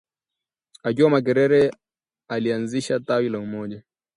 Akiwa Makerere alianzisha tawi la Umoja